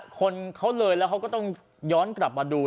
คนเขาเลยแล้วเขาก็ต้องย้อนกลับมาดู